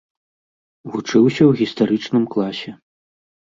Вучыўся ў гістарычным класе.